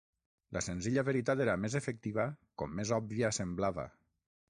La "senzilla veritat" era més efectiva com més òbvia semblava.